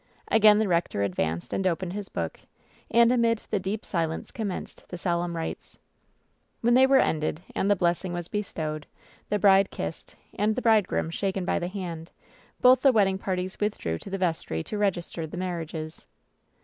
Again the rector advanced and opened his book, and amid the deep silence commenced the solemn rites. When they were ended, and the blessing was bestowed, the bride kissed, and the bridegroom shaken by the hand, both the wedding parties withdrew to the vestry to regis ter the marriages.